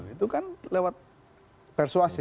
itu kan lewat persuasi